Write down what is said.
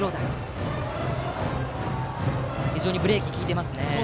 非常にブレーキが利いていますね。